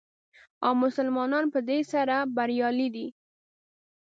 او مسلمانان په دې سره بریالي دي.